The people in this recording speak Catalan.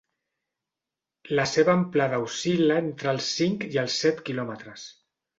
La seva amplada oscil·la entre els cinc i els set quilòmetres.